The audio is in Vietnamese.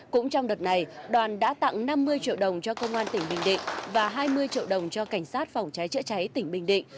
cũng trong đợt này đoàn đã tặng năm mươi triệu đồng cho công an tỉnh bình định và hai mươi triệu đồng cho cảnh sát phòng cháy chữa cháy tỉnh bình định